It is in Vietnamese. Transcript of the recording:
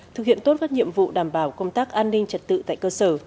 thực hiện tốt các nhiệm vụ đảm bảo công tác an ninh trật tự tại cơ sở